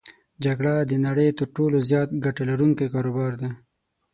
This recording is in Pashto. جګړه د نړی تر ټولو زیاته ګټه لرونکی کاروبار دی.